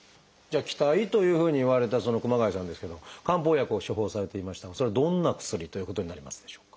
気滞というふうに言われた熊谷さんですけど漢方薬を処方されていましたがそれはどんな薬ということになりますでしょうか？